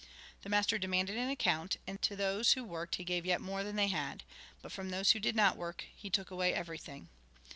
The master demanded an account : and to those who worked, he gave yet more than they had ; but from those who did not work, he took away everything."